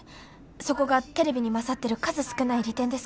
そこがテレビに勝ってる数少ない利点ですから。